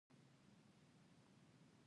د خربوزو مګس څنګه کنټرول کړم؟